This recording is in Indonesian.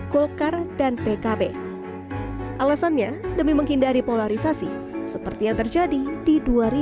golkar dan pkb alasannya demi menghindari polarisasi seperti yang terjadi di dua ribu dua puluh